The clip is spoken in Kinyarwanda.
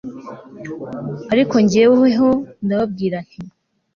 ariko jyeweho ndababwira nti